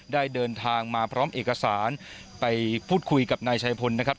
ได้เดินทางมาพร้อมเอกสารไปพูดคุยกับนายชายพลนะครับ